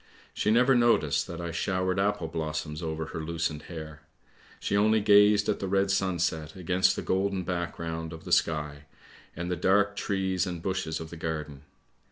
She never noticed that I showered apple blossom over her loosened hair; she only gazed at the red sunset against the golden background of the sky, and the dark trees and bushes of the garden.